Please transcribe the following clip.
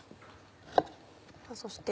そして。